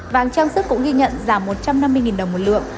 vàng trang sức cũng ghi nhận giảm một trăm năm mươi đồng một lượng